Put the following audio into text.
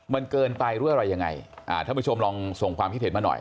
มันเกินไปหรืออะไรยังไงอ่าท่านผู้ชมลองส่งความคิดเห็นมาหน่อย